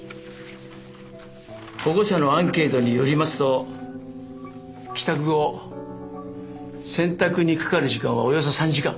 保護者のアンケートによりますと帰宅後洗濯にかかる時間はおよそ３時間。